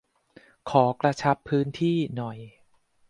ขอ"กระชับพื้นที่"หน่อย ?